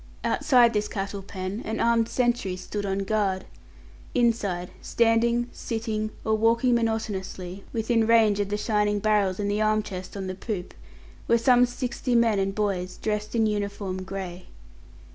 Outside this cattle pen an armed sentry stood on guard; inside, standing, sitting, or walking monotonously, within range of the shining barrels in the arm chest on the poop, were some sixty men and boys, dressed in uniform grey.